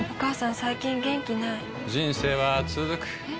最近元気ない人生はつづくえ？